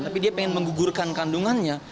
tapi dia ingin menggugurkan kandungannya